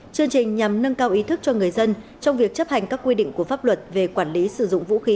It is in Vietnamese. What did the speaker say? chương trình nhằm nâng cao ý thức cho người dân trong việc chấp hành các quy định của pháp luật về quản lý sử dụng vũ khí